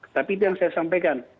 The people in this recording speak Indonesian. tapi itu yang saya sampaikan